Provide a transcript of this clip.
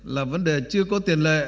là vấn đề chưa có tiền lệ